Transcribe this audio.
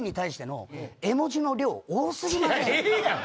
ええやん！